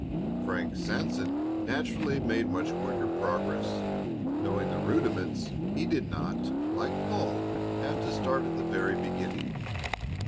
Frank Sanson naturally made much quicker progress. Knowing the rudiments, he did not, like Paul, have to start at the very beginning.